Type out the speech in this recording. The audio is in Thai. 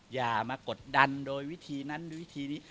อย่ามากดดันโดยวิธีนั้นหรือวิธีนี้